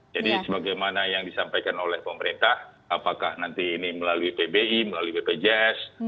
sebagaimana yang disampaikan oleh pemerintah apakah nanti ini melalui pbi melalui bpjs